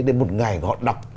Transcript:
để một ngày họ đọc